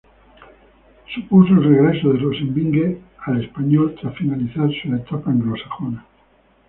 Supuso el regreso de Rosenvinge al español tras finalizar su etapa anglosajona.